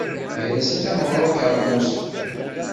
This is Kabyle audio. Gar-asen, tameɣra n ukermus.